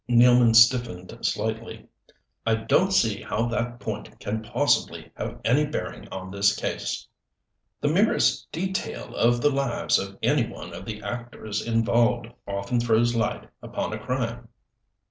Nealman stiffened slightly. "I don't see how that point can possibly have any bearing on this case." "The merest detail of the lives of any one of the actors involved often throws light upon a crime."